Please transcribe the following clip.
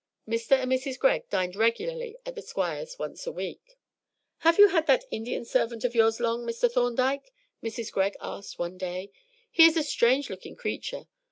Mr. and Mrs. Greg dined regularly at the Squire's once a week. "Have you had that Indian servant of yours long, Mr. Thorndyke?" Mrs. Greg asked one day. "He is a strange looking creature.